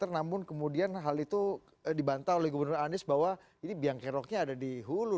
namun kemudian hal itu dibantah oleh gubernur anies bahwa ini biang keroknya ada di hulu